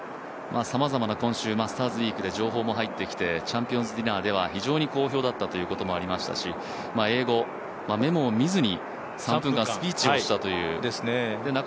さまざまな今週マスターズリーグで情報も入ってきてチャンピオンズディナーでは非常に好評だったということもありましたし、英語、メモを見ずにスピーチをしたという。